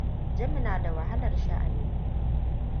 Jami na da wahalar sha'ani.